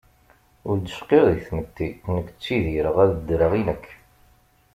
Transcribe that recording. Ur d cqiɣ di tmetti, nekk ttidireɣ ad ddreɣ i nekk.